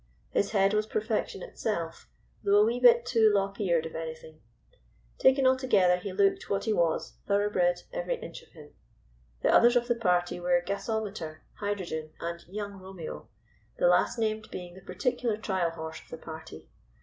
His head was perfection itself, though a wee bit too lop eared if anything. Taken altogether he looked, what he was, thoroughbred every inch of him. The others of the party were Gasometer, Hydrogen, and Young Romeo, the last named being the particular trial horse of the party.